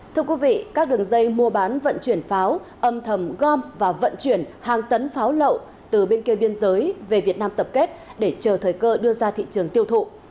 thưa quý vị các đường dây mua bán vận chuyển pháo âm thầm gom và vận chuyển hàng tấn pháo lậu từ bên kia biên giới về việt nam tập kết để chờ thời cơ đưa ra thị trường tiêu thụ